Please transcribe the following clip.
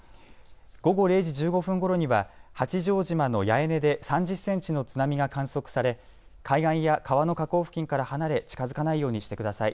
午後０時１５分ごろには八丈島の八重根で３０センチの津波が観測され海岸や川の河口付近から離れ近づかないようにしてください。